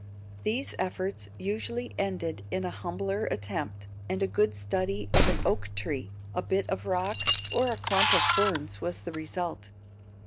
These efforts usually ended in a humbler attempt, and a good study of an oak tree, a bit of rock, or a clump of ferns was the result.